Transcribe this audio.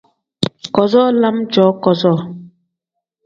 Kazoo lam cooo kazoo.